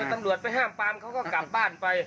ตำรวจไปห้ามปามเขาก็กลับบ้านไป